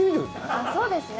あっそうですね。